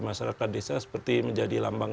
masyarakat desa seperti menjadi lambang